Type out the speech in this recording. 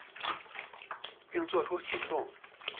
并做出行动